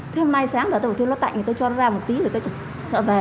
thế hôm nay sáng giờ tôi bảo tôi nó tạnh tôi cho nó ra một tí rồi tôi chọn về